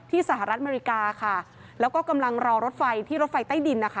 สหรัฐอเมริกาค่ะแล้วก็กำลังรอรถไฟที่รถไฟใต้ดินนะคะ